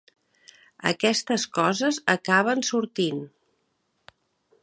Aquestes coses acaben sortint.